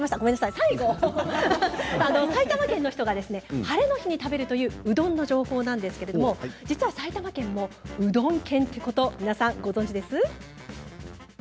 最後、埼玉県の人がハレの日に食べる、うどんの情報なんですが実は埼玉県もうどん県ということ皆さんご存じですか。